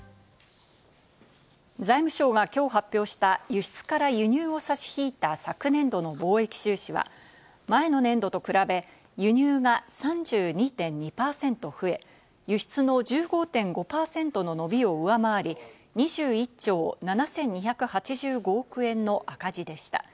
財務省が今日発表した輸出から輸入を差し引いた昨年度の貿易収支は、前の年度と比べ、輸入が３２．２％増え、輸出の１５．５％の伸びを上回り、２１兆７２８５億円の赤字でした。